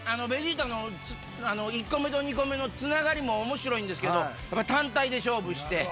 ベジータの１個目と２個目のつながりも面白いんですけどやっぱり単体で勝負して。